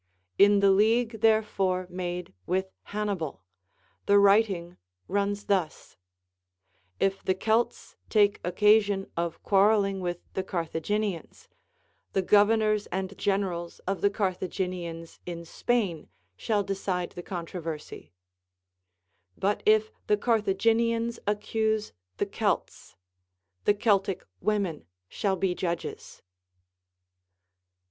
In the league therefore made with Hannibal, the writing runs thus : If the Celts take occasion of quarrelling with the Carthaginians, the governors and generals of the Cartha ginians in Spain shall decide the controversy ; but if the Carthaginians accuse the Celts, the Celtic women shall be judges.